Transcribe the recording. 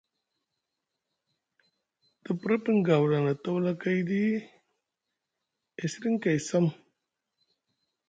Te pra piŋ gawla na tamakayɗi e siɗiŋ kay sam.